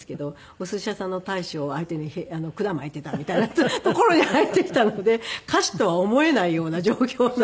おすし屋さんの大将を相手にくだ巻いていたみたいなところに入ってきたので歌手とは思えないような状況の。